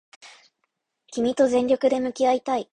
君と全力で向き合いたい